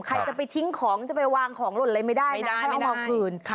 ใครจะไปทิ้งของจะไปวางของหล่นอะไรไม่ได้ให้เอามาคืน